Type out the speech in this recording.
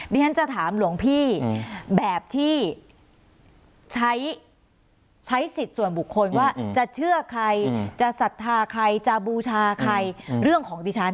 ดิฉันจะถามหลวงพี่แบบที่ใช้สิทธิ์ส่วนบุคคลว่าจะเชื่อใครจะศรัทธาใครจะบูชาใครเรื่องของดิฉัน